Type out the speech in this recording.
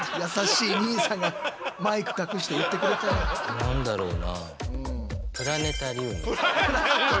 何だろうな。